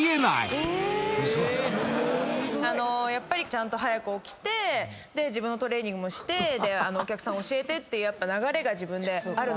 ちゃんと早く起きて自分のトレーニングもしてお客さん教えてってやっぱ流れが自分である。